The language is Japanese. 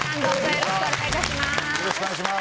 よろしくお願いします。